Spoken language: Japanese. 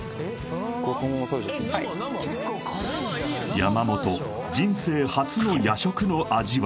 山本人生初の野食の味は？